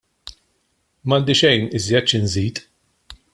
M'għandi xejn iżjed xi nżid.